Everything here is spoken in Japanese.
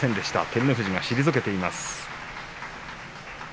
照ノ富士が退けています。